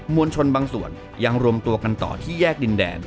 วลชนบางส่วนยังรวมตัวกันต่อที่แยกดินแดน